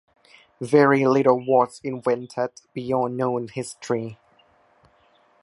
Very little was invented beyond known history.